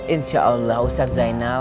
insya allah ustadz zainal